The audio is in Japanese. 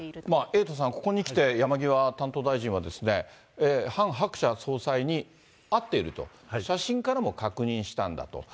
エイトさん、ここにきて、山際担当大臣は、ハン・ハクチャ総裁に会っていると、写真からも確認したんだと。